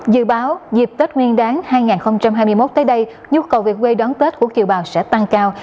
dự báo dịp tết nguyên đáng hai nghìn hai mươi một tới đây nhu cầu về quê đón tết của kiều bào sẽ tăng cao